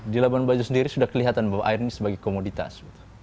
di labuan bajo sendiri sudah kelihatan bahwa air ini sebagai komoditas